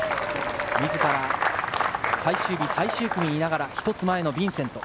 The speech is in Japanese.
自ら最終日最終組にいながら、１つ前のビンセント。